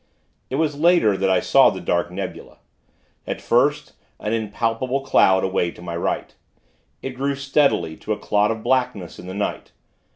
It was later, that I saw the dark nebula at first, an impalpable cloud, away to my right. It grew, steadily, to a clot of blackness in the night.